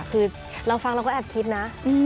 คือเราฟังเราก็แอบคิดนะ